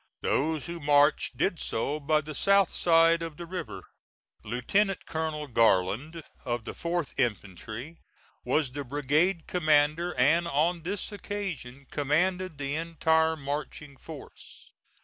Those who marched did so by the south side of the river. Lieutenant Colonel Garland, of the 4th infantry, was the brigade commander, and on this occasion commanded the entire marching force.